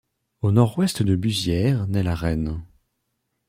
Au nord-ouest de Buxières naît la Renne.